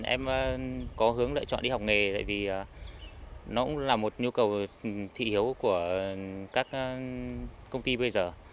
em có hướng lựa chọn đi học nghề tại vì nó cũng là một nhu cầu thị hiếu của các công ty bây giờ